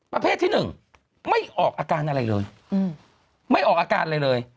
ประเภทที่๑ไม่ออกอาการอะไรเลย